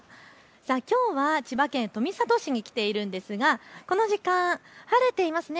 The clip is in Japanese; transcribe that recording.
きょうは千葉県富里市に来ているんですがこの時間晴れていますね。